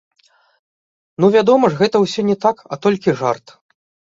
Ну, вядома ж, гэта ўсё не так, а толькі жарт.